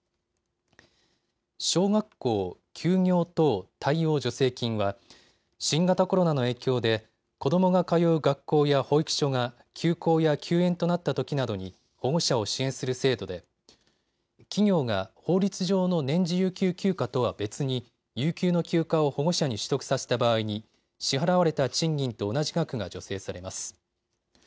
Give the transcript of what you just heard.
小学校休業等対応助成金は新型コロナの影響で子どもが通う学校や保育所が休校や休園となったときなどに保護者を支援する制度で、企業が法律上の年次有給休暇とは別に有給の休暇を保護者に取得させた場合に、支払われた賃金と同じ額が助成されます。